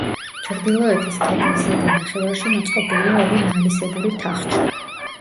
ჩრდილოეთის კედლის ზედა ნახევარში მოწყობილია ორი ნალისებური თახჩა.